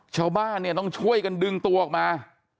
ชาวบ้านเนี่ยต้องช่วยกันดึงตัวออกมา